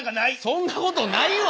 そんなことないわ！